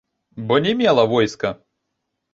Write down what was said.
Бо не мела войска.